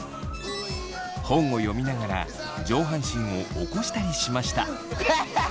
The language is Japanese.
本を読みながら上半身を起こしたりしました。